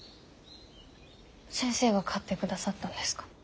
先生が買ってくださったんですか？